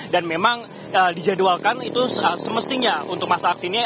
dan memang dijadwalkan itu semestinya untuk masa aksi ini